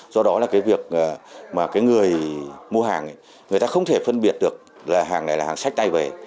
do đó là cái việc mà cái người mua hàng người ta không thể phân biệt được là hàng này là hàng sách tay về